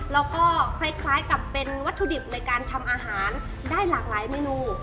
แล้วก็คล้ายกับเป็นวัตถุดิบในการทำอาหารได้หลากหลายเมนู